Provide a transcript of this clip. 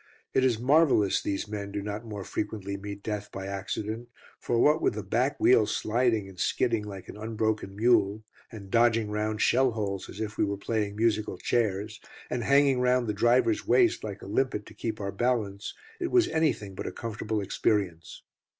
It is marvellous these men do not more frequently meet death by accident, for what with the back wheel sliding and skidding like an unbroken mule, and dodging round shell holes as if we were playing musical chairs, and hanging round the driver's waist like a limpet to keep our balance, it was anything but a comfortable experience.